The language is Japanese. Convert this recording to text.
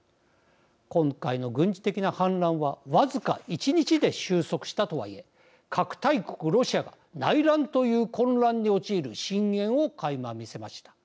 今回の軍事的な反乱は僅か１日で収束したとはいえ核大国ロシアが内乱という混乱に陥る深えんをかいま見せました。